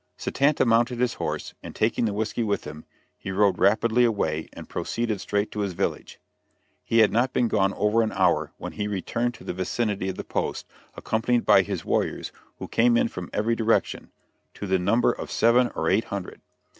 Satanta mounted his horse, and taking the whisky with him, he rode rapidly away and proceeded straight to his village. He had not been gone over an hour, when he returned to the vicinity of the post accompanied by his warriors who came in from every direction, to the number of seven or eight hundred.